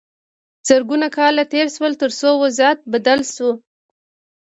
زرګونه کاله تیر شول تر څو وضعیت بدل شو.